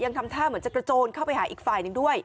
ทำท่าเหมือนจะกระโจนเข้าไปหาอีกฝ่ายหนึ่งด้วย